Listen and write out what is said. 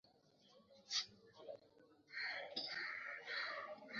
mkulima anapoviacha viazi kwa mda mrefu shamabani wadudu